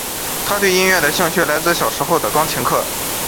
她对音乐的兴趣来自小时候的钢琴课。